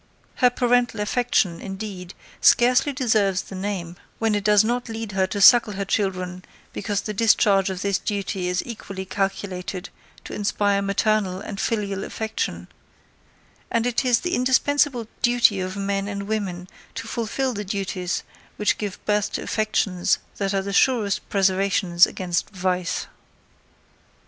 Her parental affection, indeed, scarcely deserves the name, when it does not lead her to suckle her children, because the discharge of this duty is equally calculated to inspire maternal and filial affection; and it is the indispensable duty of men and women to fulfil the duties which give birth to affections that are the surest preservatives against vice.